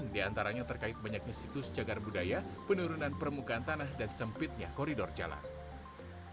di antaranya terkait banyaknya situs jagar budaya penurunan permukaan tanah dan sempitnya koridor jalan